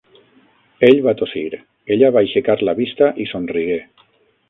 Ell va tossir, ella va aixecar la vista i somrigué.